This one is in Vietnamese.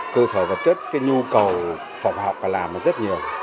cơ sở vật chất nhu cầu phòng học phải làm rất nhiều